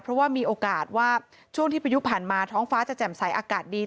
เพราะว่ามีโอกาสว่าช่วงที่พายุผ่านมาท้องฟ้าจะแจ่มใสอากาศดี